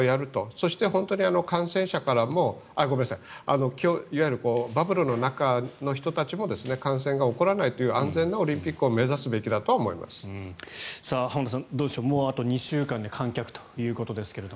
そして、本当に感染者からもいわゆるバブルの中の人たちも感染が起こらないという安全なオリンピックを浜田さん、どうでしょうもうあと２週間で観客ということですけれど。